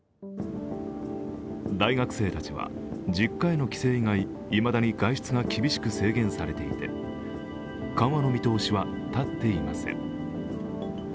大学生たちは実家への帰省以外、いまだに外出が厳しく制限されていて、緩和の見通しは立っていません。